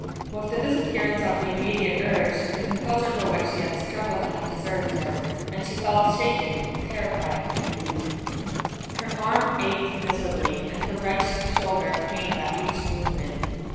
With the disappearance of the immediate urge, the composure for which she had struggled had deserted her, and she felt shaken, terrified, and weak. Her arm ached miserably, and her wrenched shoulder pained at each movement.